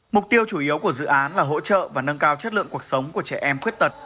mục tiêu chủ yếu của dự án là hỗ trợ và nâng cao chất lượng cuộc sống của trẻ em khuyết tật